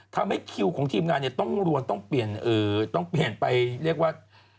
ทำให้คิวของทีมงานต้องเปลี่ยนไปเรียกว่า